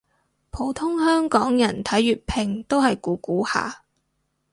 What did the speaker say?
普通香港人睇粵拼都係估估下